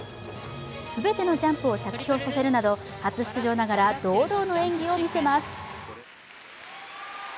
全てのジャンプを着氷させるなど初出場ながら堂々の演技を見せます。